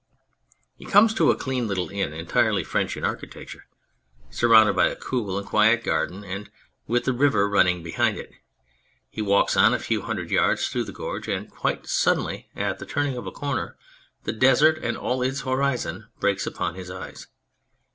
He comes to a clean little inn entirely French in architecture, surrounded by a cool and quiet garden, 164 On Communications and with the river running behind it. He walks on a few hundred yards through the gorge, and quite suddenly at the turning of a corner the Desert and all its horizon breaks upon his eyes.